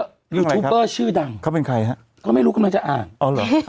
ยูทูบเบอร์ชื่อดังเขาเป็นใครฮะก็ไม่รู้กำลังจะอ่านอ๋อเหรอ